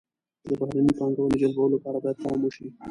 د بهرنۍ پانګونې جلبولو لپاره باید پام وشي.